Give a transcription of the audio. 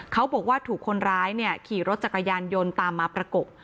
เขาบอกว่าถูกคนร้ายขี่รถจักรยานยนต์ตามมาประกบ